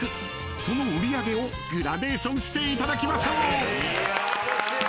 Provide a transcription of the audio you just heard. ［その売り上げをグラデーションしていだきましょう］